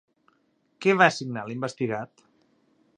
Què va signar l'investigat?